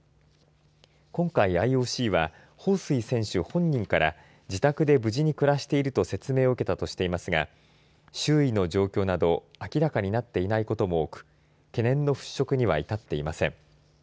今回ＩＯＣは彭帥選手本人から自宅で無事に暮らしていると説明を受けたとしていますが周囲の状況など明らかになっていないことも多く懸念のふっしょくには至っていません。